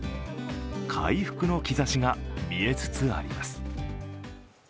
回復の兆しが見えつつあります。